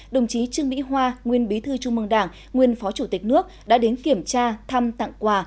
đồng chí trương mỹ hoa nguyên bí thư trung mương đảng nguyên phó chủ tịch nước đã đến kiểm tra thăm tặng quà